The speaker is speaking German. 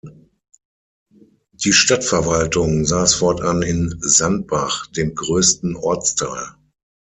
Die Stadtverwaltung saß fortan in Sandbach, dem größten Ortsteil.